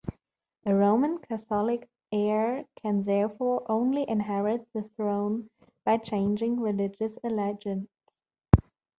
A Roman Catholic heir can therefore only inherit the throne by changing religious allegiance.